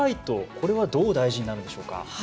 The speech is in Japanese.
これはどう大事になるんでしょうか？